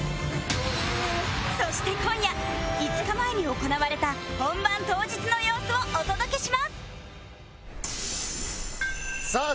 そして今夜５日前に行われた本番当日の様子をお届けしますさあ